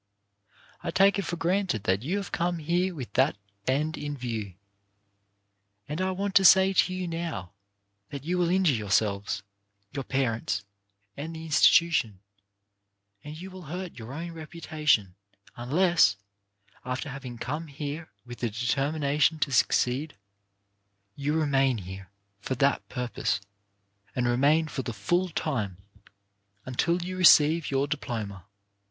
I take it for granted that you have come here with that end in view, and I want to say to you now, that you will injure yourselves, your parents, and the institution — and you will hurt your own reputa tion — unless, after having come here with the determination to succeed, you remain here for that purpose, and remain for the full time, until you receive your diploma.